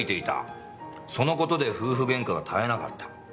その事で夫婦げんかが絶えなかった。